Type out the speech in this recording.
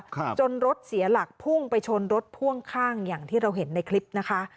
ครับจนรถเสียหลักพุ่งไปชนรถพ่วงข้างอย่างที่เราเห็นในคลิปนะคะ